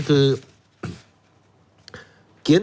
คือ